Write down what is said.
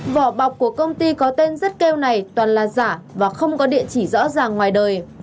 vỏ bọc của công ty có tên rất kêu này toàn là giả và không có địa chỉ rõ ràng ngoài đời